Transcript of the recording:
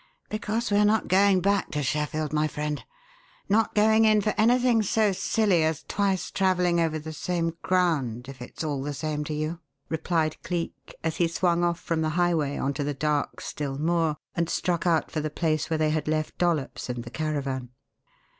"Because we are not going back to Sheffield, my friend not going in for anything so silly as twice travelling over the same ground, if it's all the same to you," replied Cleek, as he swung off from the highway on to the dark, still moor and struck out for the place where they had left Dollops and the caravan.